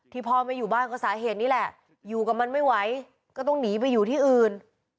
พ่อไม่อยู่บ้านก็สาเหตุนี้แหละอยู่กับมันไม่ไหวก็ต้องหนีไปอยู่ที่อื่น